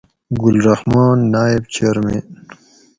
گل رحمان نائب چئیرمین